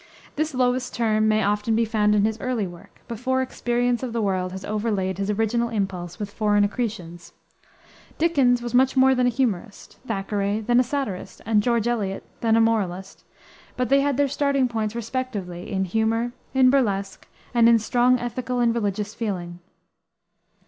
This lowest term may often be found in his early work, before experience of the world has overlaid his original impulse with foreign accretions. Dickens was much more than a humorist, Thackeray than a satirist, and George Eliot than a moralist; but they had their starting points respectively in humor, in burlesque, and in strong ethical and religious feeling.